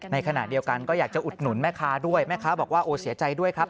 ในขณะเดียวกันก็อยากจะอุดหนุนแม่ค้าด้วยแม่ค้าบอกว่าโอ้เสียใจด้วยครับ